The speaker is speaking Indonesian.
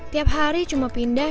tiap hari cuma pindah